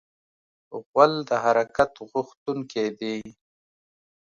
غول د حرکت غوښتونکی دی.